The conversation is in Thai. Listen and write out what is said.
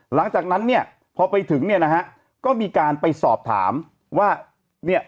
หลังจากนั้นเนี่ยพอไปถึงเนี่ยนะฮะก็มีการไปสอบถามว่าเนี่ย